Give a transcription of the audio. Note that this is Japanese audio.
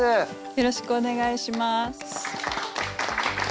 よろしくお願いします。